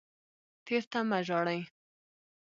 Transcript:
تیر ته مه ژاړئ